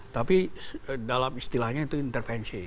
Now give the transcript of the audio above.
tapi dalam istilahnya itu intervensi